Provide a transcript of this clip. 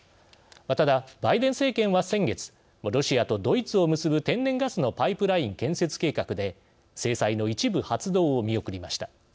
ただバイデン政権は先月ロシアとドイツを結ぶ天然ガスのパイプライン建設計画で制裁の一部発動を見送りました。